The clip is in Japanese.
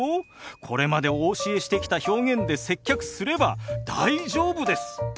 これまでお教えしてきた表現で接客すれば大丈夫です。